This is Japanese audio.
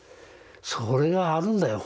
それがあるんだよ。